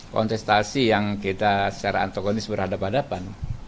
kontestasi yang kita secara antagonis berhadapan hadapan